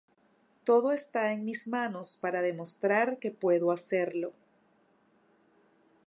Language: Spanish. Todo está en mis manos para demostrar que puedo hacerlo.